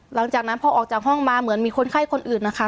หลังจากนั้นพอออกจากห้องมาเหมือนมีคนไข้คนอื่นนะคะ